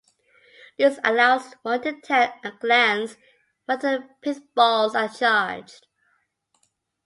This allows one to tell at a glance whether the pith balls are charged.